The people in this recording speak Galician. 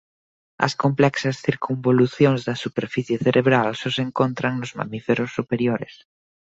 As complexas circunvolucións da superficie cerebral só se encontran nos mamíferos superiores.